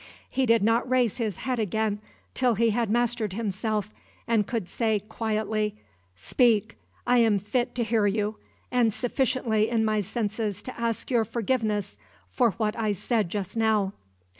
He did not raise his head again till he had mastered himself, and could say quietly, "Speak; I am fit to hear you, and sufficiently in my senses to ask your forgiveness for what I said just now."